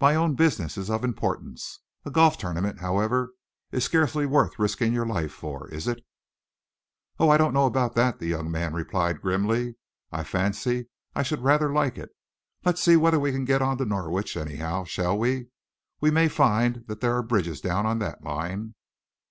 My own business is of importance. A golf tournament, however, is scarcely worth risking your life for, is it?" "Oh, I don't know about that!" the young man replied grimly. "I fancy I should rather like it. Let's see whether we can get on to Norwich, anyhow, shall we? We may find that there are bridges down on that line."